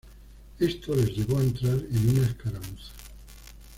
Esto les llevó a entrar en una escaramuza.